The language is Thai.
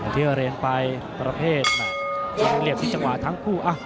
ที่เรียนไปประเภทเหลี่ยมที่จังหวะทั้งคู่